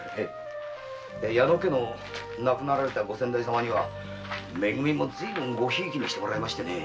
矢野家の亡くなられた御先代様に「め組」もずい分とごひいきにしてもらいましてね。